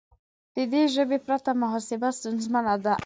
د دې ژبې پرته محاسبه ستونزمنه ده.